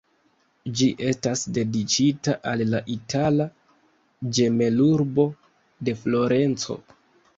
Ĝi estas dediĉita al la itala ĝemelurbo de Florenco.